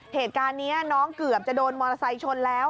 เหตุการณ์นี้น้องเกือบจะโดนมอเตอร์ไซค์ชนแล้ว